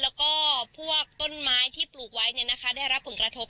แล้วก็พวกต้นไม้ที่ปลูกไว้ได้รับผลกระทบ